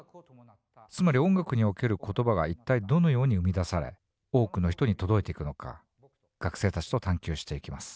つまり音楽における言葉が一体どのように生み出され多くの人に届いていくのか学生たちと探求していきます